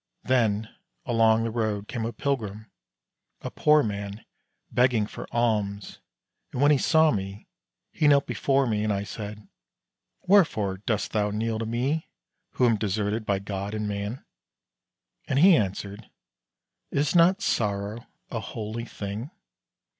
Then, along the road, came a pilgrim, a poor man, begging for alms, and when he saw me, he knelt before me, and I said, "Wherefore dost thou kneel to me, who am deserted by God and man?" And he answered, "Is not sorrow a holy thing?